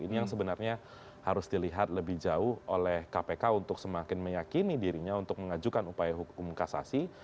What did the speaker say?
ini yang sebenarnya harus dilihat lebih jauh oleh kpk untuk semakin meyakini dirinya untuk mengajukan upaya hukum kasasi